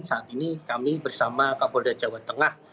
saat ini kami bersama kapolda jawa tengah